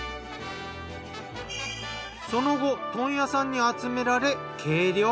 その後問屋さんに集められ計量。